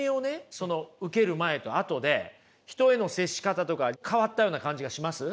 受ける前と後で人への接し方とか変わったような感じがします？